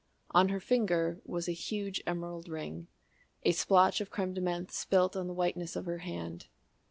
On her finger was a huge emerald ring, a splotch of crème de menthe spilt on the whiteness of her hand.